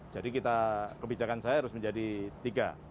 jadi kita kebijakan saya harus menjadi tiga